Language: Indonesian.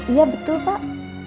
iya betul pak